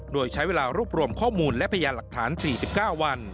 โดยใช้เวลารวบรวมข้อมูลและพยานหลักฐาน๔๙วัน